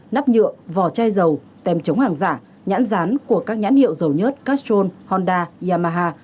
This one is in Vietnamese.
nắp nhựa vỏ chai dầu tem chống hàng giả nhãn rán của các nhãn hiệu dầu nhớt castrol honda yamaha